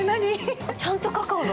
ちゃんとカカオだ。